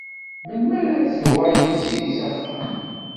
Melmi ara d-tuɣal Tiziri s axxam?